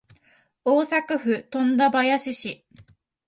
大阪府富田林市